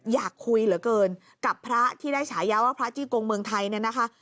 อยากคุยเหลือเกินกับพระที่ได้ฉายาว่าพระจี้กงเมืองไทยเนี่ยนะคะ